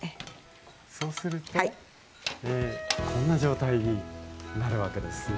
そうするとこんな状態になるわけですね。